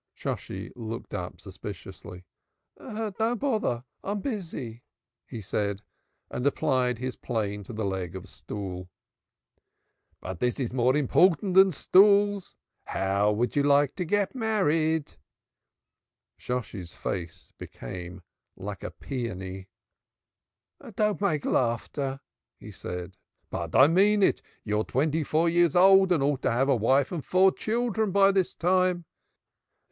Shosshi looked up suspiciously. "Don't bother: I am busy," he said, and applied his plane to the leg of a stool. "But this is more important than stools. How would you like to get married?" Shosshi's face became like a peony. "Don't make laughter," he said. "But I mean it. You are twenty four years old and ought to have a wife and four children by this time."